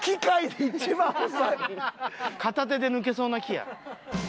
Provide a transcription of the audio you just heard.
片手で抜けそうな木や。